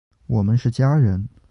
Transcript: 我们是家人！